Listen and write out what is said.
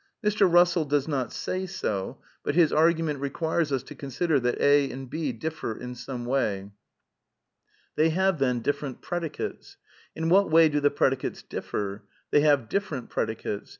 (Mr. Kussell does not say so, but his argument requires us to consider that A and B differ in some way.) They have, then, different predicates. In what way do the predicates differ ? They have different predicates.